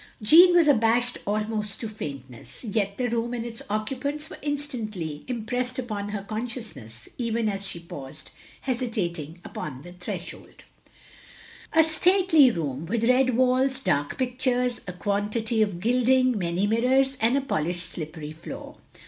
Jeanne was abashed almost to faintness. Yet the room and its occupants were instantly im pressed upon her consciousness, even as she paused, hesitating, upon the threshold. 94 THE LONELY LADY A stately room, with red walls, dark picttires, a quantity of gilding, many mirrors, and a polished slippery floor.